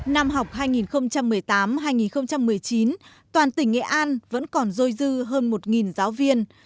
năm học hai nghìn một mươi tám hai nghìn một mươi chín toàn tỉnh nghệ an vẫn còn dôi dư hơn một giáo viên